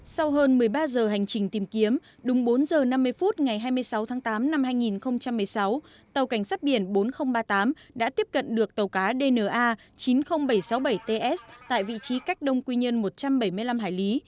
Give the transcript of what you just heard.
sau hơn một mươi ba giờ hành trình tìm kiếm đúng bốn giờ năm mươi phút ngày hai mươi sáu tháng tám năm hai nghìn một mươi sáu tàu cảnh sát biển bốn nghìn ba mươi tám đã tiếp cận được tàu cá dna chín mươi nghìn bảy trăm sáu mươi bảy ts tại vị trí cách đông quy nhơn một trăm bảy mươi năm hải lý